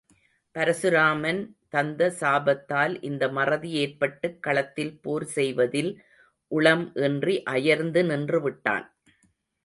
பரசுராமன் தந்த சாபத்தால் இந்த மறதி ஏற்பட்டுக் களத்தில் போர் செய்வதில் உளம் இன்றி அயர்ந்து நின்று விட்டான்.